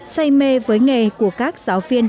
say mê với nghề của các giáo viên